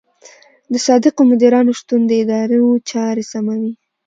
د صادقو مدیرانو شتون د ادارو چارې سموي.